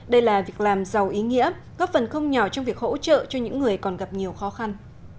đây là việc làm giàu ý nghĩa góp phần không nhỏ trong việc hỗ trợ cho những người còn gặp nhiều khó khăn